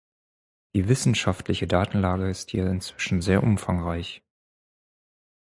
Die wissenschaftliche Datenlage ist hier inzwischen sehr umfangreich.